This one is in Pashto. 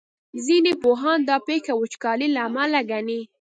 ځینې پوهان دا پېښه وچکالۍ له امله ګڼي.